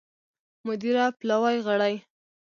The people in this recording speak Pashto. مدیره پلاوي غړي